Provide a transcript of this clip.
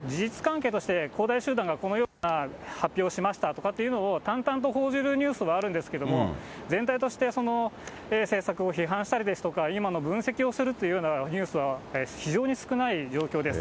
中国メディアは、事実関係として、恒大集団がこのような発表をしましたとかっていうのを淡々と報じるニュースはあるんですけれども、全体としてその政策を批判したりですとか、今の分析をするというようなニュースは非常に少ない状況です。